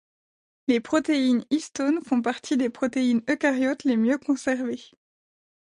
Les protéines histone font partie des protéines eucaryotes les mieux conservées.